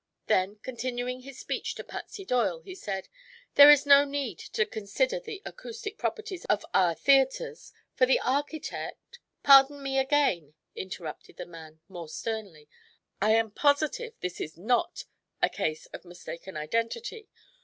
Then, continuing his speech to Patsy Doyle, he said: "There is no need to consider the acoustic properties of our theatres, for the architect " "Pardon me again," interrupted the man, more sternly. "I am positive this is not a case of mistaken identity.